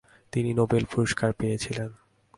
তিনি নোবেল পুরস্কার পেয়েছিলেন।